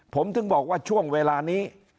ผมถึงบอกว่าช่วงเวลานี้